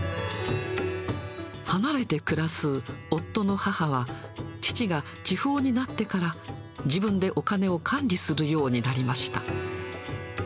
離れて暮らす夫の母は、父が痴ほうになってから、自分でお金を管理するようになりました。